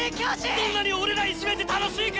そんなに俺らいじめて楽しいか！